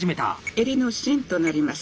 襟の芯となります。